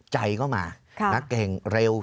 ใจก็มานักเก่งเร็ว